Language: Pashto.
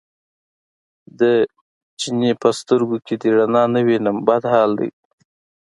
د چیني په سترګو کې دې رڼا نه وینم بد حال دی.